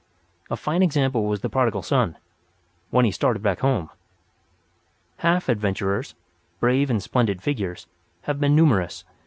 A fine example was the Prodigal Son—when he started back home. Half adventurers—brave and splendid figures—have been numerous.